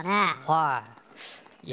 はい。